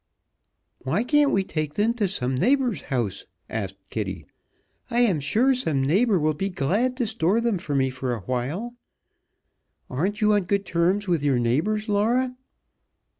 "Why can't we take them to some neighbor's house?" asked Kitty. "I am sure some neighbor would be glad to store them for me for awhile. Aren't you on good terms with your neighbors, Laura?"